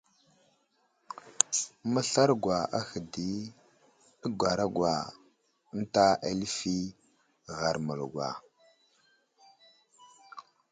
Məslarogwa ahe di nəgaragwa ənta alifi ghar məlgwa.